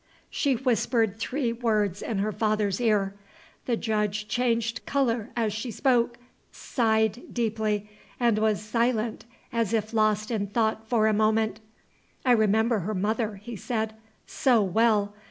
She whispered three words in her father's ear. The Judge changed color as she spoke, sighed deeply, and was silent as if lost in thought for a moment. "I remember her mother," he said, "so well!